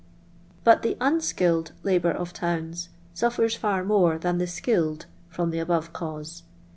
But the unskilled labour of towns suffers far more than the skilled from the above cause.